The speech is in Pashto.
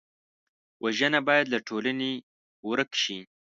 وژنه باید له ټولنې ورک شي